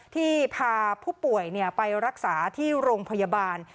ที่พาผู้ป่วยไปรักษาที่โรงพยาบาล